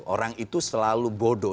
orang itu selalu bodoh